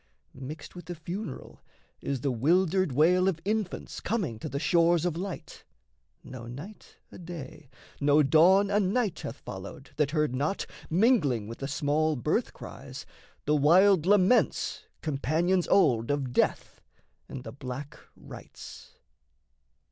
Mixed with the funeral is the wildered wail Of infants coming to the shores of light: No night a day, no dawn a night hath followed That heard not, mingling with the small birth cries, The wild laments, companions old of death And the black rites.